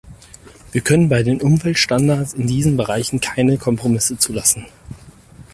Wir können bei den Umweltstandards in diesen Bereichen keine Kompromisse zulassen.